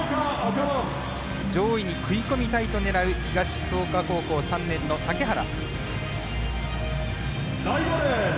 上位に食い込みたいと狙う東福岡高校３年の竹原。